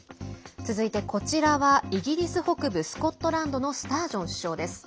続いて、こちらはイギリス北部スコットランドのスタージョン首相です。